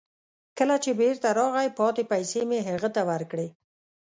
کله چې بیرته راغی، پاتې پیسې مې هغه ته ورکړې.